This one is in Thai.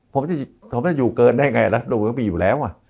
ผมจะอยู่เกินได้ยังไงล่ะนะแต่ว่าผมเลยยังไม่อยู่แล้ว